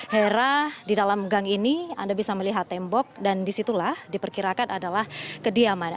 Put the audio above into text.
hera di dalam gang ini anda bisa melihat tembok dan disitulah diperkirakan adalah kediaman